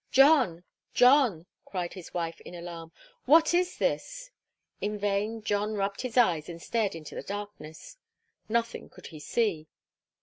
'John, John!' cried his wife in alarm, 'what is this?' In vain John rubbed his eyes and stared into the darkness. Nothing could he see.